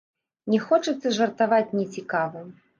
Не хочацца жартаваць нецікава.